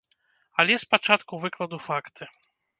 Але спачатку выкладу факты.